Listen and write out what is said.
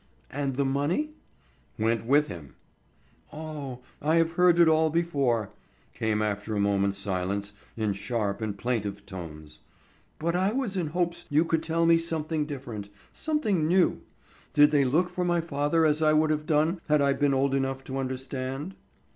"And the money?" "Went with him." "Oh, I have heard it all before," came after a moment's silence, in sharp and plaintive tones. "But I was in hopes you could tell me something different, something new. Did they look for my father as I would have done had I been old enough to understand?"